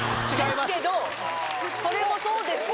ですけどそれもそうですけど。